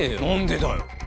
何でだよ。